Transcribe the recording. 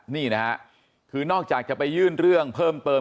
นี่นะฮะคือนอกจากจะไปยื่นเรื่องเพิ่มเติม